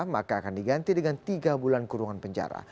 maka akan diganti dengan tiga bulan kurungan penjara